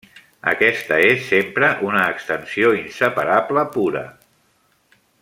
Aquesta és sempre una extensió inseparable pura.